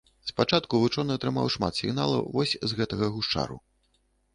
Спачатку вучоны атрымаў шмат сігналаў вось з гэтага гушчару.